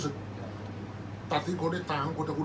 อันไหนที่มันไม่จริงแล้วอาจารย์อยากพูด